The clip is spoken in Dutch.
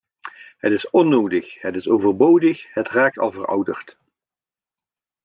Het is onnodig; het is overbodig; het raakt al verouderd.